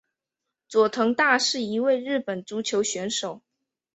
佐藤大是一位日本足球选手。